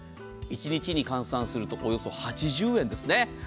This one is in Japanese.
１日に換算するとおよそ８０円ですね。